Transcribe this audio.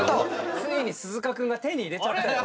ついに鈴鹿くんが手に入れちゃったよ。